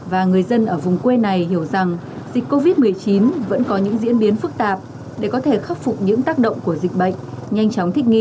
và người dân ở vùng quê này hiểu rằng dịch covid một mươi chín vẫn có những diễn biến phức tạp để có thể khắc phục những tác động của dịch bệnh nhanh chóng thích nghi